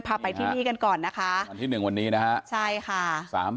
พาไปที่นี่กันก่อนนะคะวันที่๑วันนี้นะฮะใช่ค่ะ